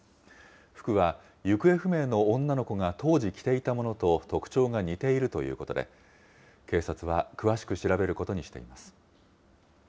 服は行方不明の女の子が当時、着ていたものと特徴が似ているということで、警察は詳しく調べることにしています。